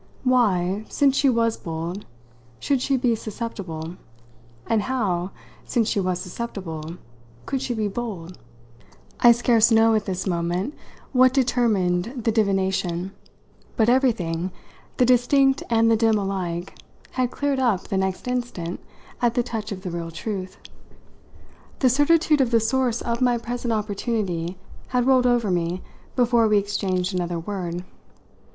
Why, since she was bold, should she be susceptible, and how, since she was susceptible, could she be bold? I scarce know what, at this moment, determined the divination; but everything, the distinct and the dim alike, had cleared up the next instant at the touch of the real truth. The certitude of the source of my present opportunity had rolled over me before we exchanged another word.